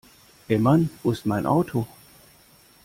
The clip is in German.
Ey Mann, wo ist mein Auto?